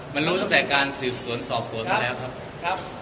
มันรู้ตั้งแต่การสืบสวนสอบสวนมาแล้วครับ